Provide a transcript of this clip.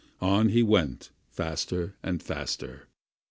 On he went again, faster and faster.